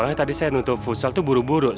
soalnya tadi saya nutup futsal tuh buru buru